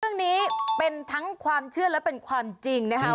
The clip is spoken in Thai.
เรื่องนี้เป็นทั้งความเชื่อและเป็นความจริงนะคะ